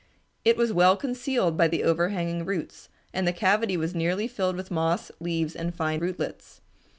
It was well concealed by the overhanging roots, and the cavity was nearly filled with moss, leaves, and fine rootlets.